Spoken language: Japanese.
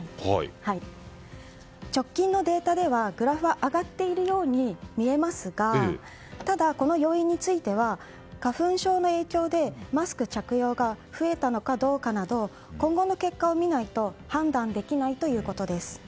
直近のデータではグラフは上がっているように見えますがただ、この要因については花粉症の影響でマスク着用が増えたのかどうかなど今後の結果を見ないと判断できないということです。